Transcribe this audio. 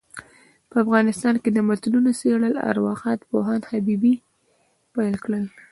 په افغانستان کي دمتونو څېړل ارواښاد پوهاند حبیبي پيل کړ.